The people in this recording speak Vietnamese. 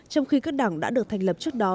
trong khi các đảng đã được thành lập trước đó